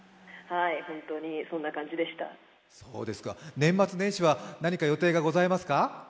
年末年始は何か予定がございますか？